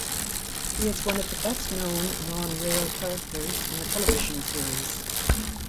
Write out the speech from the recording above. He is one of the best known non-rail characters in the television series.